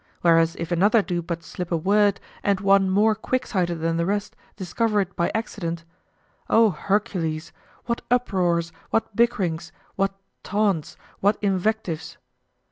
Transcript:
Whereas if another do but slip a word and one more quick sighted than the rest discover it by accident, O Hercules! what uproars, what bickerings, what taunts, what invectives!